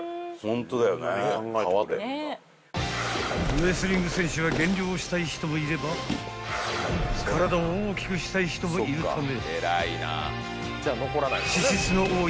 ［レスリング選手は減量をしたい人もいれば体を大きくしたい人もいるため］